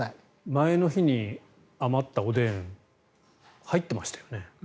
前の日に余ったおでん入ってましたよね？